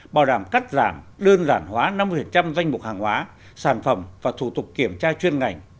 bảo đảm cắt giảm đơn giản hóa năm mươi danh mục hàng hóa sản phẩm và thủ tục kiểm tra chuyên ngành